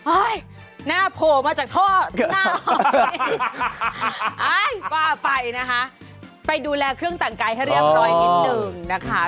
หน้าโผล่มาจากท่อหน้าว่าไปนะคะไปดูแลเครื่องแต่งกายให้เรียบร้อยนิดหนึ่งนะคะ